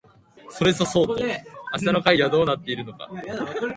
それそそうと明日の会議はどうなっているのか